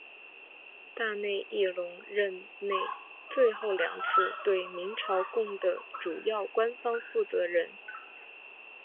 大内义隆任内最后两次对明朝贡的主要官方负责人。